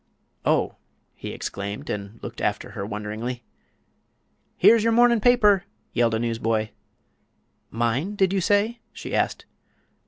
"Oh!" he exclaimed, and looked after her wonderingly. "Here's yer mornin' paper!" yelled a newsboy. "Mine, did you say?" she asked.